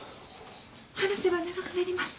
話せば長くなります。